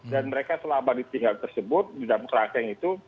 dan mereka selama ditinggal tersebut di dalam kerangkang itu